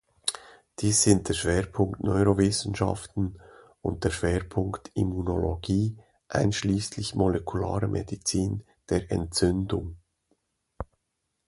Dies sind der Schwerpunkt Neurowissenschaften und der Schwerpunkt Immunologie einschließlich Molekulare Medizin der Entzündung.